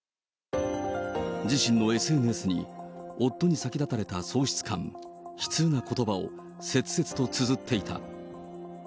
自身のＳＮＳに、夫に先立たれた喪失感、悲痛なことばを切々とつづっていた。